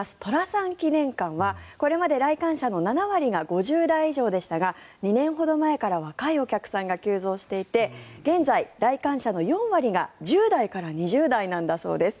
寅さん記念館はこれまで来館者の７割が５０代以上でしたが２年ほど前からは若いお客さんが急増していて現在は来館者の４割が１０代から２０代なんだそうです